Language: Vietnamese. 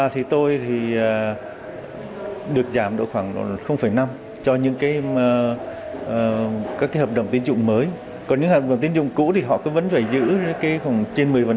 thì tôi thì được giảm độ khoảng năm cho những cái hợp đồng tiến dụng mới còn những hợp đồng tiến dụng cũ thì họ cứ vẫn phải giữ cái khoảng trên một mươi